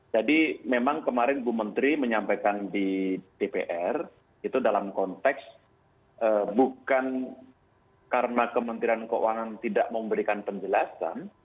jadi memang kemarin bu menteri menyampaikan di dpr itu dalam konteks bukan karena kementerian keuangan tidak memberikan penjelasan